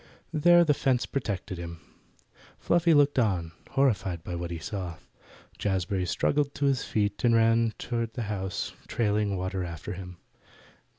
There the fence protected him. Fluffy looked on, horrified by what he saw. Jazbury struggled to his feet, and ran toward the house, trailing water after him.